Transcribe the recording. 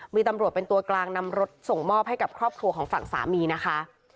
มีตำรวจเป็นตัวกลางนำรถส่งมอบให้กับครอบครัวของฝั่งสามีนะคะ